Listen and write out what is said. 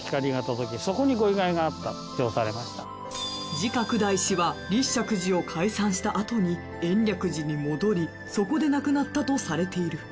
慈覚大師は立石寺を開山したあとに延暦寺に戻りそこで亡くなったとされている。